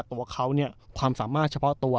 ตัวเขาเนี่ยความสามารถเฉพาะตัว